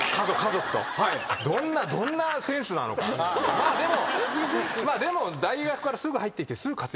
まあでも。